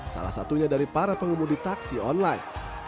salah satunya dari para pengemudi taksi online